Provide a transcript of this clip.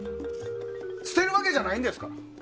捨てるわけじゃないんですから。